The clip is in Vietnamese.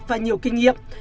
và nhiều kinh nghiệm